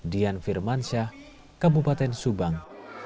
dian firmansyah kabupaten subang